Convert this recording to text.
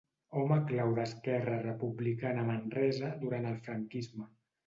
Home clau d'Esquerra Republicana a Manresa durant el franquisme.